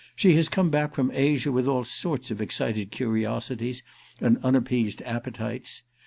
She has come back from Asia with all sorts of excited curiosities and unappeased appetities.